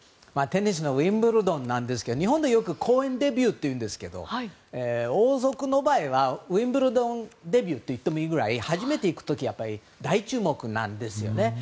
テニスのウィンブルドンなんですが日本ではよく公園デビューっていいますけど王族の場合はウィンブルドンデビューといってもいいくらい初めて行く時は大注目なんですよね。